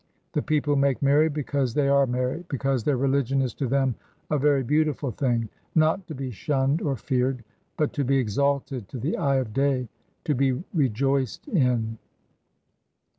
The people make merry because they are merry, because their religion is to them a very beautiful thing, not to be shunned or feared, but to be exalted to the eye of day, to be rejoiced in.